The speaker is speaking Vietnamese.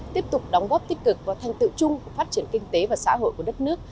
tiếp tục đóng góp tích cực vào thành tựu chung của phát triển kinh tế và xã hội của đất nước